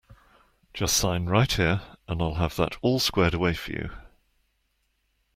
Just sign right here and I’ll have that all squared away for you.